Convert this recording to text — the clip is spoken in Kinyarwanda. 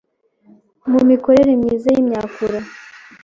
mu mikorere myiza y’imyakura